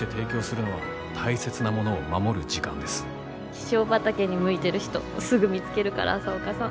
気象畑に向いてる人すぐ見つけるから朝岡さん。